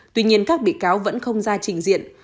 tuy nhiên các bị cáo vẫn không ra trình diện